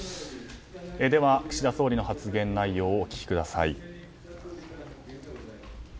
では、岸田総理の発言内容をお聞きください。